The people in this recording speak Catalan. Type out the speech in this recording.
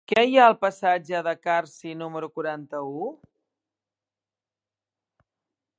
Què hi ha al passatge de Carsi número quaranta-u?